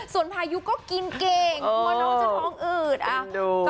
ส่วนพายุก็กินเก่งว่าน้องจะท้องอืดเอารียะกองดู